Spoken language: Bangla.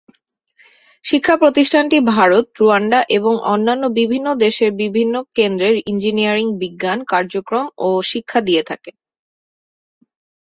শিক্ষা প্রতিষ্ঠানটি ভারত, রুয়ান্ডা এবং অন্যান্য বিভিন্ন দেশের বিভিন্ন কেন্দ্রে ইঞ্জিনিয়ারিং, বিজ্ঞান, কার্যক্রম ও শিক্ষা দিয়ে থাকে।